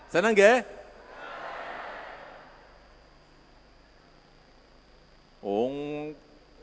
seneng buatan seneng dapat sertifikat ngacung tunjuk jari saya beri sepeda